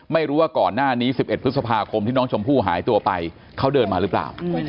ไม่รู้ว่าก่อนหน้านี้๑๑พฤษภาคมที่น้องชมพู่หายตัวไปเขาเดินมาหรือเปล่า